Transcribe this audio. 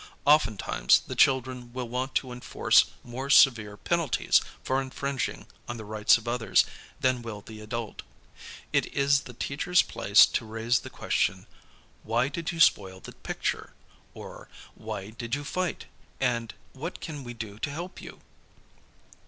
Oftentimes the children will want to enforce more severe penalties for infringing on the rights of others than w ill the adult. It is the teacher's place to raise the question, "'Why did you spoil the picture?" or "Wh) did you fight?" and "What can we do to help vou?